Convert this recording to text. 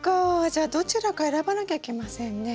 じゃあどちらか選ばなきゃいけませんね。